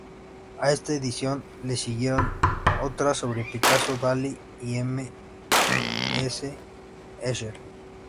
A esta edición le siguieron otras sobre Picasso, Dalí y M. C. Escher.